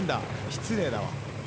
失礼だわ。